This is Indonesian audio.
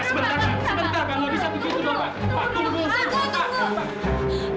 sebentar pak sebentar pak